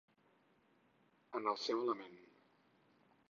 En el seu element.